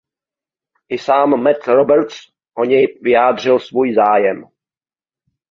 I sám Matt Roberts o něj vyjádřil svůj zájem.